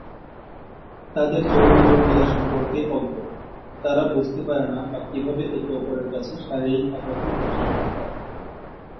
তাদের যৌন যৌনতা সম্পর্কে অজ্ঞ, তারা বুঝতে পারে না বা কীভাবে একে অপরের কাছে শারীরিক আকর্ষণ প্রকাশ করতে পারে।